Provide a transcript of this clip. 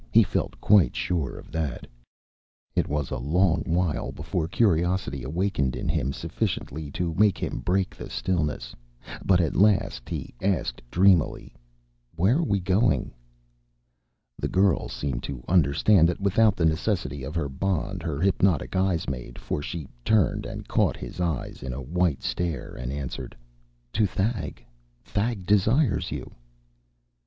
He felt quite sure of that. It was a long while before curiosity awakened in him sufficiently to make him break the stillness. But at last he asked dreamily, "Where are we going?" The girl seemed to understand that without the necessity of the bond her hypnotic eyes made, for she turned and caught his eyes in a white stare and answered, "To Thag. Thag desires you."